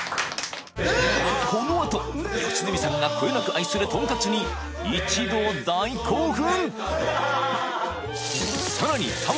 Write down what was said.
このあと良純さんがこよなく愛するとんかつに一同大興奮！